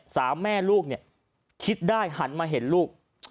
สามแม่ลูกเนี่ยคิดได้หันมาเห็นลูก